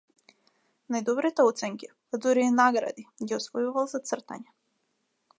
Најдобрите оценки, па дури и награди, ги освојувал за цртање.